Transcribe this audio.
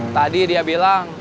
tadi dia bilang